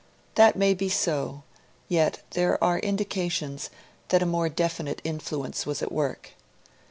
That may be so; yet there are indications that a more definite influence was at work.